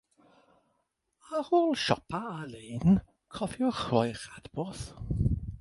Ar ôl siopa ar-lein, cofiwch roi'ch adborth.